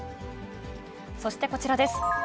そしてこちらです。